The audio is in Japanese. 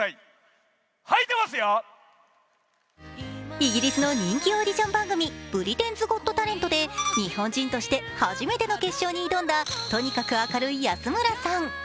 イギリスの人気オーディション番組「ブリテンズ・ゴット・タレント」で日本人として初めての決勝に挑んだ、とにかく明るい安村さん。